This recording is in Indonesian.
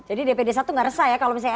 jadi dpd satu nggak resah ya kalau misalnya